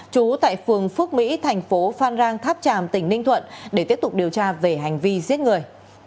trú tại phường phước mỹ thành phố phan rang tháp tràm tỉnh ninh thuận để tiếp tục điều tra về hành vi giết người